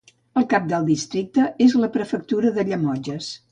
El cap del districte és la prefectura de Llemotges.